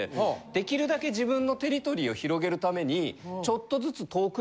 できるだけ自分のテリトリーを広げるために。